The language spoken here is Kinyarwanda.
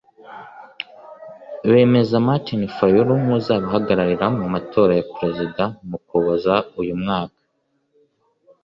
bemeza Martin Fayulu nk’uzabahagarira mu matora ya Perezida mu Ukuboza uyu mwaka